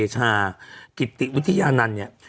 ชากิติวิทยานันต์เนี่ย